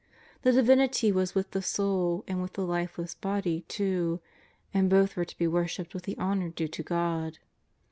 The Divinity was with the Soul and with the lifeless Body too, and both were to be worshipped with the honour due to God.